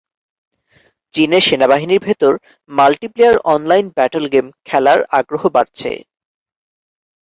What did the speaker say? চীনের সেনাবাহিনীর ভেতর মাল্টিপ্লেয়ার অনলাইন ব্যাটল গেম খেলার আগ্রহ বাড়ছে।